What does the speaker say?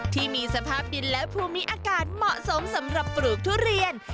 ที่มีสภาพดินและภูมิอากาศเหมาะสมสำหรับปลูกทุเรียน